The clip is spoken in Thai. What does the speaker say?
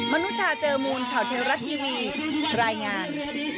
นุชาเจอมูลข่าวเทวรัฐทีวีรายงาน